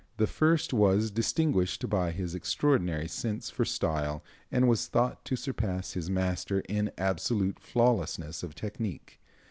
The first was distinguished by his extraordinary sense for style, and was thought to surpass his master in absolute flawlessness of technique.